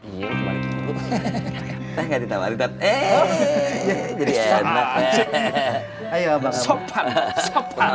iya kebalik dulu